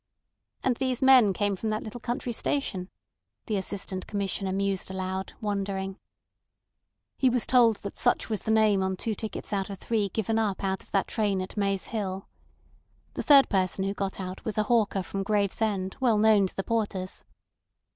"And these men came from that little country station," the Assistant Commissioner mused aloud, wondering. He was told that such was the name on two tickets out of three given up out of that train at Maze Hill. The third person who got out was a hawker from Gravesend well known to the porters.